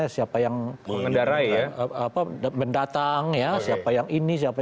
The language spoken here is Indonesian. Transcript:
siapa yang ini siapa yang itu